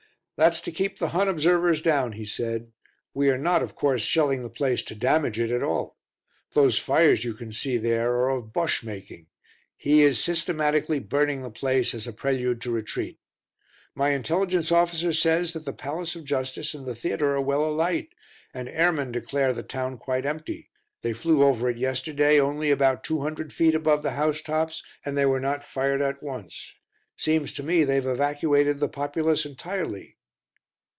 "That's to keep the Hun observers down," he said. "We are not, of course, shelling the place to damage it at all. Those fires you can see there are of Bosche making; he is systematically burning the place as a prelude to retreat. My Intelligence officer says that the Palace of Justice and the theatre are well alight, and airmen declare the town quite empty; they flew over it yesterday only about two hundred feet above the house tops and they were not fired at once. Seems to me they've evacuated the populace entirely."